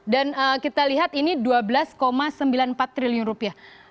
dan kita lihat ini dua belas sembilan puluh empat triliun rupiah